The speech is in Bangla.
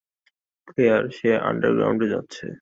ক্লেয়ার, সে আন্ডারগ্রাউন্ডে যাচ্ছে।